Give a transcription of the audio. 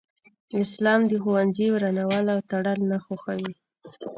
اسلام د ښوونځي ورانول او تړل نه خوښوي